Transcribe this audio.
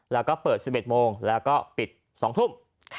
แล้วก็เปิด๑๑โมงแล้วก็ปิด๒ทุ่ม